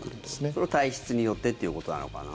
それは体質によってということなのかな。